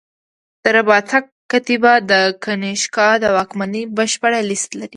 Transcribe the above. د رباطک کتیبه د کنیشکا د واکمنۍ بشپړه لېست لري